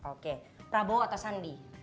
oke prabowo atau sandi